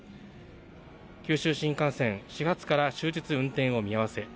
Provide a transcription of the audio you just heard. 九州新幹線、始発から終日運転を見合わせ。